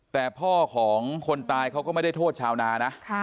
แต่พ่อของคนตายเขาก็ไม่ได้โทษชาวนานะ